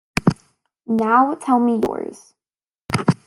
Now tell me yours.